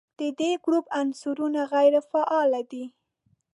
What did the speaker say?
د دې ګروپ عنصرونه غیر فعال دي.